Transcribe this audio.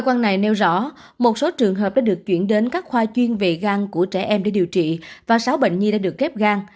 quan này nêu rõ một số trường hợp đã được chuyển đến các khoa chuyên về gan của trẻ em để điều trị và sáu bệnh nhi đã được ghép gan